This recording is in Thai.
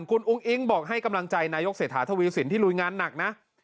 คุณอุ้งอิ๊งบอกให้กำลังใจนายกเศรษฐาทวีสินที่ลุยงานหนักนะ